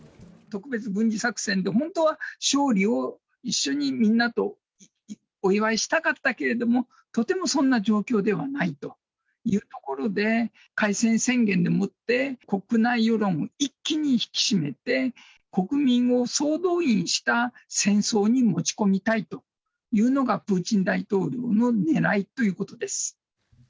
特別軍事作戦で、本当は勝利を一緒にみんなとお祝いしたかったけれども、とてもそんな状況ではないというところで、開戦宣言でもって、国内世論を一気に引き締めて、国民を総動員した戦争に持ち込みたいというのが、プーチン大統領のねらいということです。